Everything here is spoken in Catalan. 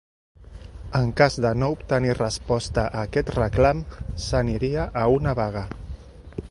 En cas de no obtenir resposta a aquest reclam, s'aniria a una vaga.